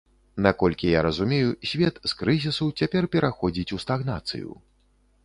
Наколькі я разумею, свет з крызісу цяпер пераходзіць у стагнацыю.